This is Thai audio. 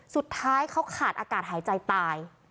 สุดท้ายเขาขาดอากาศหายใจตาย